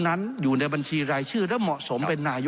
ขออนุญาตจะเชื่อตัวครับ